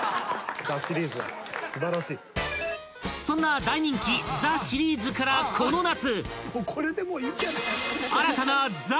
［そんな大人気ザ★シリーズからこの夏］